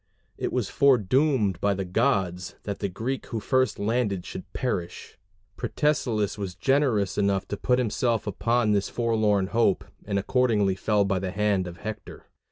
It was foredoomed by the gods that the Greek who first landed should perish: Protesilaus was generous enough to put himself upon this forlorn hope, and accordingly fell by the hand of Hector.